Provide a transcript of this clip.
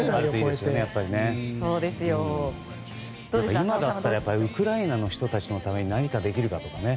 でも今だったらウクライナの人たちのために何かできるかとかね。